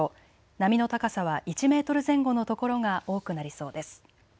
波の高さは１メートル前後の所が多くなりそうです。